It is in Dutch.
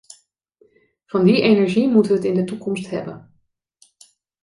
Van die energie moeten we het in de toekomst hebben.